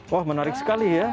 wah menarik sekali ya